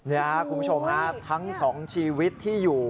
นี่คุณผู้ชมทั้ง๒ชีวิตที่อยู่